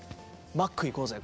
「マック行こうぜ」と。